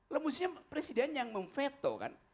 maksudnya presiden yang memveto kan